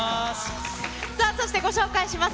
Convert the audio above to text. さあそして、ご紹介します。